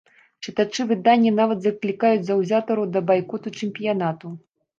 Чытачы выдання нават заклікаюць заўзятараў да байкоту чэмпіянату.